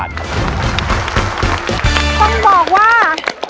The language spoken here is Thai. ต้องบอกว่า